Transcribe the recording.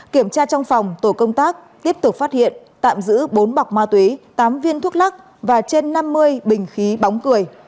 kiểm tra trong phòng tổ công tác tiếp tục phát hiện tạm giữ bốn bọc ma túy tám viên thuốc lắc và trên năm mươi bình khí bóng cười